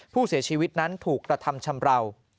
ผู้เสียชีวิตนั้นถูกกระทำชำราว